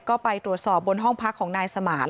ก็ไปตรวจสอบบนห้องพักของนายสมาน